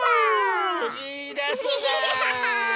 いいですね！